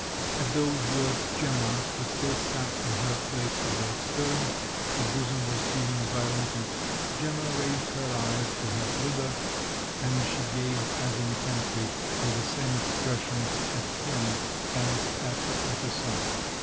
At those words Gemma, who still sat in her place without stirring—her bosom was heaving violently—Gemma raised her eyes to Herr Klüber … and she gazed as intently, with the same expression at him as at the officer.